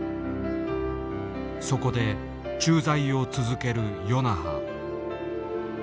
そこで駐在を続ける与那覇。